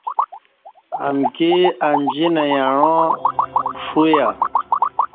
امکی انجی نہ یعاں پݜویہ